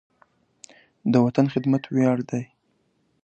د وطن خدمت ویاړ دی.